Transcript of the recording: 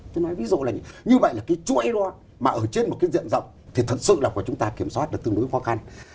tôi nói ví dụ là như vậy là cái chuỗi đó mà ở trên một cái diện rộng thì thật sự là của chúng ta kiểm soát được tương đối khó khăn